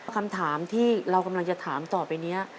คำถามที่เรากำลังจะถามต่อไปนี้